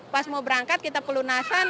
pas mau berangkat kita pelunasan